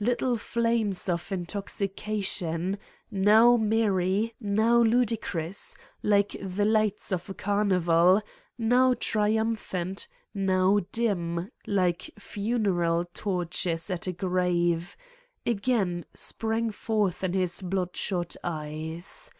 Little flames of intoxication, now merry, now ludicrous, like the lights of a carnival, now triumphant, now dim, like funeral torches at a grave, again sprang forth in his bloodshot eyes.